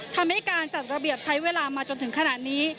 ทำให้การจัดระเบียบใช้เวลามาจนถึงขณะนี้